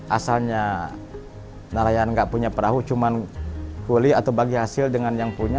asalnya nelayan nggak punya perahu cuma kuli atau bagi hasil dengan yang punya